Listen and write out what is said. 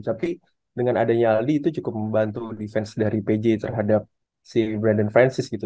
tapi dengan adanya aldi itu cukup membantu defense dari pj terhadap si brandon francis gitu